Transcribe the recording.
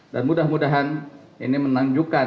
dan mudah mudahan ini menanjukan